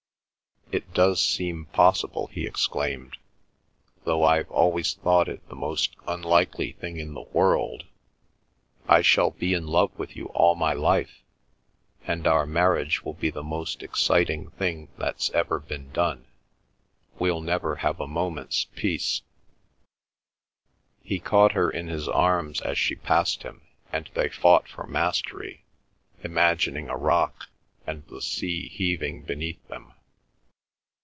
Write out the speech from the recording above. "It does seem possible!" he exclaimed, "though I've always thought it the most unlikely thing in the world—I shall be in love with you all my life, and our marriage will be the most exciting thing that's ever been done! We'll never have a moment's peace—" He caught her in his arms as she passed him, and they fought for mastery, imagining a rock, and the sea heaving beneath them.